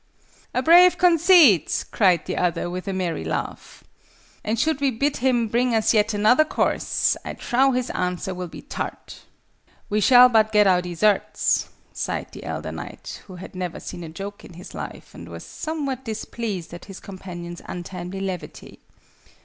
"A brave conceit!" cried the other, with a merry laugh. "And should we bid him bring us yet another course, I trow his answer will be tart!" "We shall but get our deserts," sighed the elder knight, who had never seen a joke in his life, and was somewhat displeased at his companion's untimely levity.